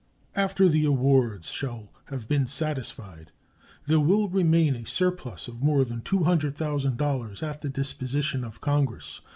After the awards shall have been satisfied there will remain a surplus of more than $200,000 at the disposition of Congress.